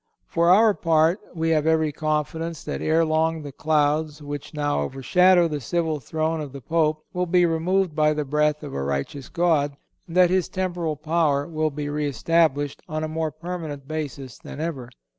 For our part we have every confidence that ere long the clouds which now overshadow the civil throne of the Pope will be removed by the breath of a righteous God, and that his temporal power will be re established on a more permanent basis than ever.